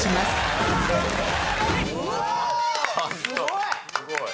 すごい！